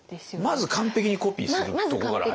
まず完璧にコピーするとこから入りますね。